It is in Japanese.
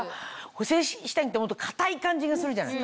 補整下着ってもっと硬い感じがするじゃない？